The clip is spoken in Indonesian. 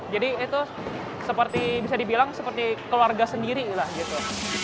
jadi itu seperti bisa dibilang seperti keluarga sendiri lah gitu